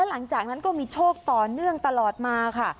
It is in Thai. แล้วก็มีโชคต่อเนื่องตลอดมาค่ะ